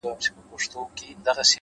هره ستونزه پټ مهارت لري!